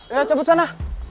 ya cabut sana